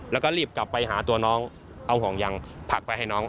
แล้วก็รีบกลับไปหาตัวน้องเอาห่วงยางผักไปให้น้อง